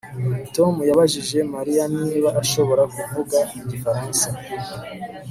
Tom yabajije Mariya niba ashobora kuvuga igifaransa